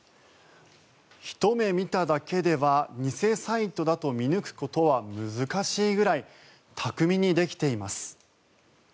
ひと目見ただけでは偽サイトだと見抜くことは難しいぐらい巧みにできています。